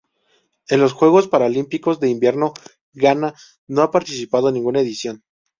En los Juegos Paralímpicos de Invierno Ghana no ha participado en ninguna edición.